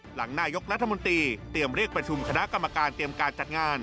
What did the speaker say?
หลังนายกรัฐมนตรีเตรียมเรียกประชุมคณะกรรมการเตรียมการจัดงาน